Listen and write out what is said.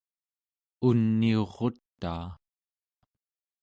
uniurutaa